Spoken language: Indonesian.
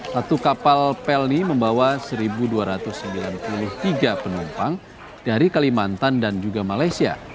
satu kapal pelni membawa satu dua ratus sembilan puluh tiga penumpang dari kalimantan dan juga malaysia